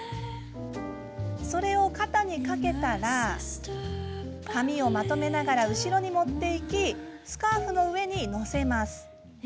それを肩にかけたら髪をまとめながら後ろに持っていきスカーフの上に載せます。